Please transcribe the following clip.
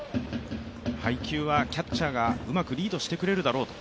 配球はキャッチャーがうまくリードしてくれるだろうと。